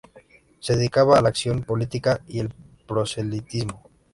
Se dedicaban a la acción política y el proselitismo.